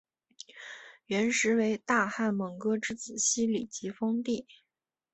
元时为大汗蒙哥之子昔里吉封地。